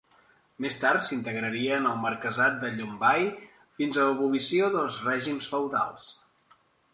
Més tard, s'integraria en el marquesat de Llombai fins a l'abolició dels règims feudals.